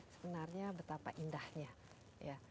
sebenarnya betapa indahnya